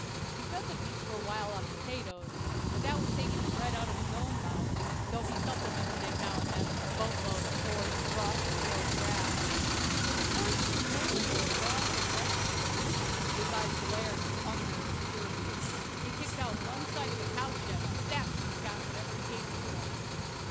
He fed the beast for a while on potatoes; but that was taking the bread out of his own mouth, though he supplemented it with now and then a boat load of coarse, frost killed grass, but the horse grew more and more gaunt and restive. His eyes glared with hunger and fury. He kicked out one side of the cowshed and snapped at Scott whenever he came near him.